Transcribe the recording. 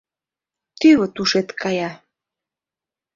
Тӱвыт ушет кая!